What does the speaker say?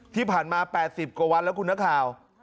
ที่ผ่านมา๘๐กว่าวันแล้วคุณนักข่าว